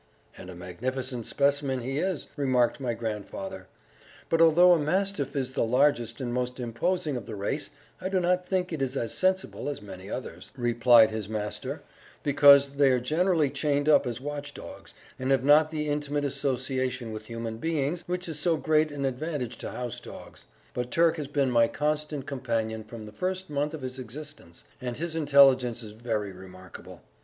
"And a magnificent specimen he is!" remarked my grandfather; "but although a mastiff is the largest and most imposing of the race, I do not think it is as sensible as many others." "As a rule you are right," replied his master, "because they are generally chained up as watch dogs, and have not the intimate association with human beings which is so great an advantage to house dogs; but Turk has been my constant companion from the first month of his existence, and his intelligence is very remarkable.